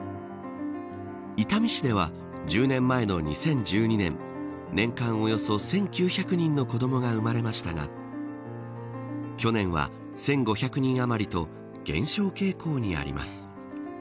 伊丹市では１０年前の２０１２年年間およそ１９００人の子どもが生まれましたが去年は、１５００人あまりと減少傾向にあります。